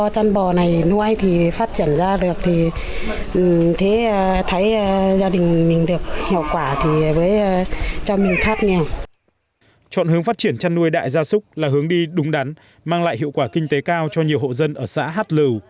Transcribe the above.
chọn hướng phát triển chăn nuôi đại gia súc là hướng đi đúng đắn mang lại hiệu quả kinh tế cao cho nhiều hộ dân ở xã hát lưu